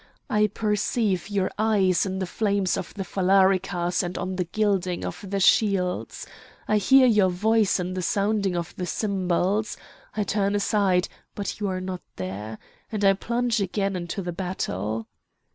I perceive your eyes in the flames of the phalaricas and on the gilding of the shields! I hear your voice in the sounding of the cymbals. I turn aside, but you are not there! and I plunge again into the battle!"